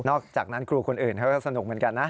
อกจากนั้นครูคนอื่นเขาก็สนุกเหมือนกันนะ